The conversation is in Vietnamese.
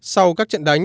sau các trận đánh